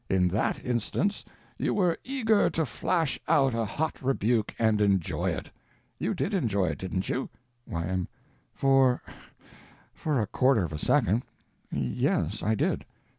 In that instance you were eager to flash out a hot rebuke and enjoy it. You did enjoy it, didn't you? Y.M. For—for a quarter of a second. Yes—I did.